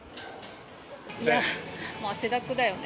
いや、もう汗だくだよね。